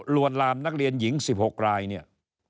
ลวนรามนักเรียนหญิง๑๖ราย